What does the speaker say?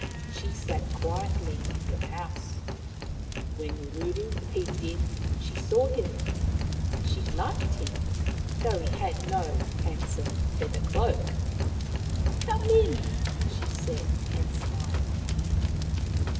She sat quietly in her house. When Ruru peeped in she saw him. She liked him, though he had no 180 Maoriland Fairy Tales handsome feather cloak. " Come in !" she said, and smiled.